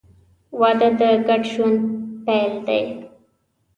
• واده د ګډ ژوند پیل دی.